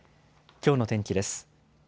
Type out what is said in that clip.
きょうの天気です。